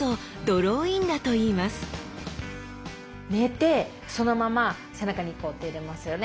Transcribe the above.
寝てそのまま背中にこう手を入れますよね。